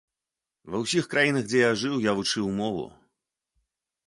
Ва ўсіх краінах, дзе я жыў, я вучыў мову.